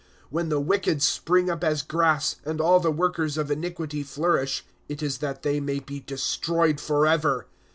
' When the wicked spring up as grass. And all the workers of iaiquity flourish; It is that they may be destroyed forever.